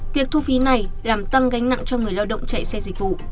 việc thu phí này làm tăng gánh nặng cho người lao động chạy xe dịch vụ